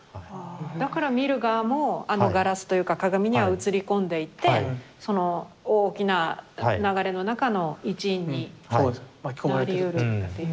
だから見る側もあのガラスというか鏡には映り込んでいてその大きな流れの中の一員になりうるっていう。